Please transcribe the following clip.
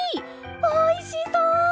おいしそう！